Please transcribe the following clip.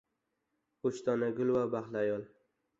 Uch dona gul va baxtli ayol